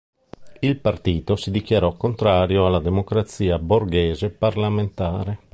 Il partito si dichiarò contrario alla democrazia borghese parlamentare.